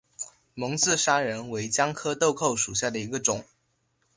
蒙自砂仁为姜科豆蔻属下的一个种。